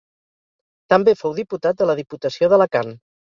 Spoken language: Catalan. També fou diputat de la Diputació d'Alacant.